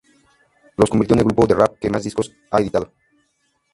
Los convirtió en el grupo de Rap que más discos ha editado.